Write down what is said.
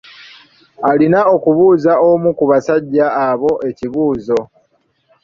Alina okubuuza omu ku basajja abo ekibuuzo.